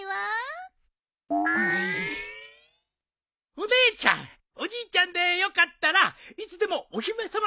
お姉ちゃんおじいちゃんでよかったらいつでもお姫さま